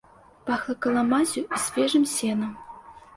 Пахла каламаззю і свежым сенам.